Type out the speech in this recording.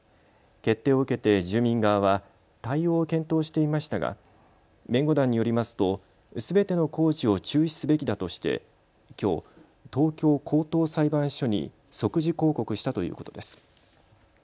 決定を受けて住民側は対応を検討していましたが弁護団によりますとすべての工事を中止すべきだとしてきょう東京高等裁判所に即時抗告したということです。